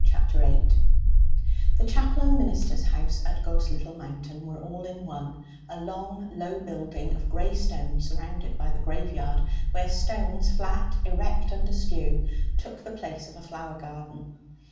Chapter 8 The chapel and minister's house at God's Little Mountain were all in one a long, low building of grey stone surrounded by the graveyard, where stones, flat, erect, and askew, took the place of a flower garden.